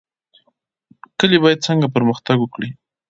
کلي باید څنګه پرمختګ وکړي؟